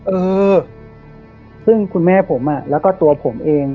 เออซึ่งคุณแม่ผมแล้วก็ตัวผมเอง